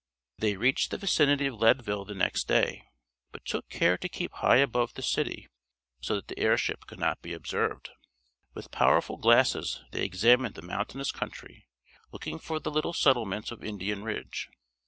They reached the vicinity of Leadville the next day, but took care to keep high above the city, so that the airship could not be observed. With powerful glasses they examined the mountainous country, looking for the little settlement of Indian Ridge.